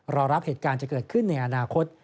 รอรับเหตุการณ์จะเกิดขึ้นในอนาคต